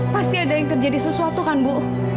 pasti ada yang terjadi sesuatu kan bu